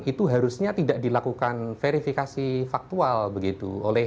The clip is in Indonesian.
itu harusnya tidak dilakukan verifikasi faktual begitu